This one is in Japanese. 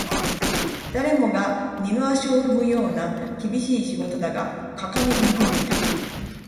誰もが二の足を踏むような厳しい仕事だが、果敢に取り組んでいた